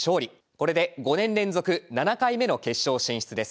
これで５年連続７回目の決勝進出です。